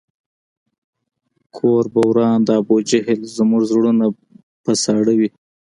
کور به وران د ابوجهل زموږ زړونه په ساړه وي